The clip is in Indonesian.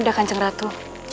bagaimana kanjeng ratu